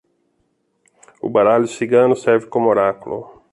O baralho cigano serve como oráculo